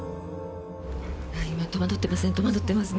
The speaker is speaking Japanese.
今、戸惑ってますね。